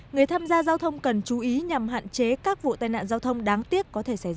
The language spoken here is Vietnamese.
người tham gia giao thông cần chú ý nhằm hạn chế các vụ tai nạn giao thông đáng tiếc có thể xảy ra